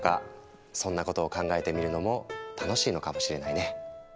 そんなことを考えてみるのも楽しいのかもしれないね。